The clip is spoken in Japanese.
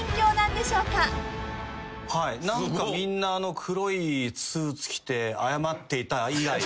何かみんな黒いスーツ着て謝っていた以来。